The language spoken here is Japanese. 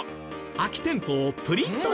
空き店舗をプリント